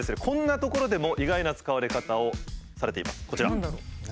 こんなところでも意外な使われ方をされています。